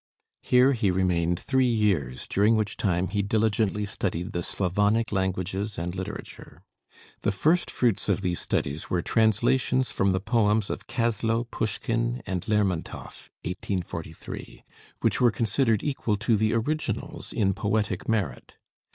Here he remained three years, during which time he diligently studied the Slavonic languages and literature. [Illustration: Bodenstedt] The first fruits of these studies were translations from the poems of Kaslow, Pushkin, and Lermontoff (1843); which were considered equal to the originals in poetic merit.